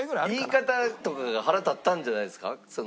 言い方とかが腹立ったんじゃないですか？